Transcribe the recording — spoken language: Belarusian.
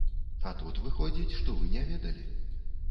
А тут выходзіць, што вы не ведалі.